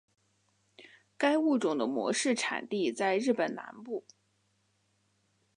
该物种的模式产地在日本南部。